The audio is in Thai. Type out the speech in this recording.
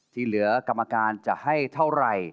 ที่เหลือกรรมการจะให้เท่าไหร่